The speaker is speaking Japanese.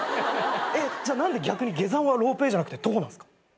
じゃあ何で逆に下山はロープウエーじゃなくて徒歩なんすか？